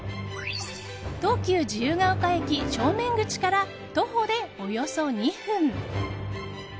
東急自由が丘駅、正面口から徒歩でおよそ２分。